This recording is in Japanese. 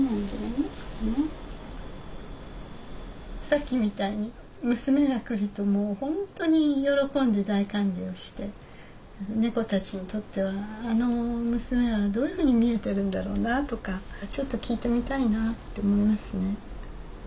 さっきみたいに娘が来るともう本当に喜んで大歓迎をして猫たちにとってはあの娘はどういうふうに見えてるんだろうなとかちょっと聞いてみたいなって思いますね。